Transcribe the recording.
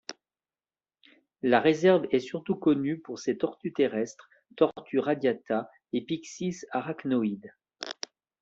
La réserve est surtout connue pour ses tortues terrestres, tortue radiata et Pyxis arachnoides.